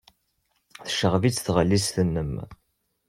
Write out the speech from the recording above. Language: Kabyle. Tecɣeb-itt tɣellist-nnem.